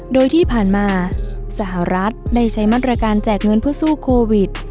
โดยที่ผ่านมาสหรัฐได้ใช้มาตรการแจกเงินเพื่อสู้โควิด